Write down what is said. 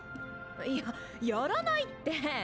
いややらないって！